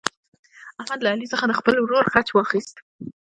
احمد له علي څخه د خپل ورور غچ واخیست.